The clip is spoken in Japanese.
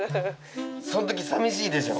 そのとき寂しいでしょ？